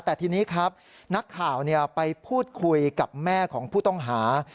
แต่ทีนี้ครับนักข่าวไปพูดคุยกับแม่ของผู้ต้องหา